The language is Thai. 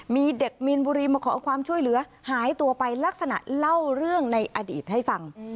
มีเด็กมีนบุรีมาขอความช่วยเหลือหายตัวไปลักษณะเล่าเรื่องในอดีตให้ฟัง